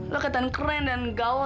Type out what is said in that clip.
lo kelihatan keren dan gaul